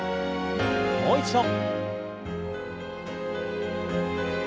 もう一度。